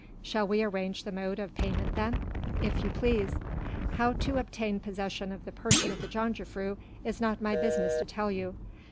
"Shall we arrange the mode of payment then?" "If you please." "How to obtain possession of the person of the jongejuffrouw is not my business to tell you.